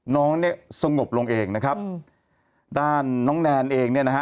น้องเนี่ยสงบลงเองนะครับอืมด้านน้องแนนเองเนี่ยนะฮะ